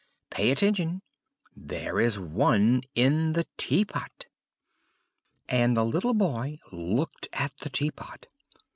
Pay attention! There is one in the tea pot!" And the little boy looked at the tea pot.